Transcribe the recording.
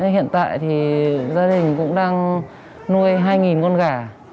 hiện tại thì gia đình cũng đang nuôi hai con gà